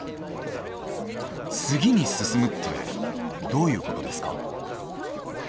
次に進むってどういうことですか？